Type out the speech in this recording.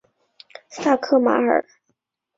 萨克马尔。